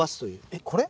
えっこれ？